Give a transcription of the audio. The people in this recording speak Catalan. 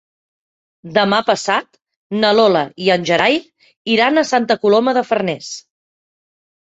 Demà passat na Lola i en Gerai iran a Santa Coloma de Farners.